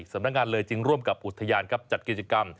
สำนักงานเลยจึงร่วมกับอุทยานครับจัดกิจกรรม